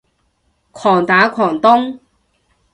狂打狂咚